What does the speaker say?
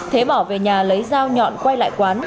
thế bỏ về nhà lấy dao nhọn quay lại quán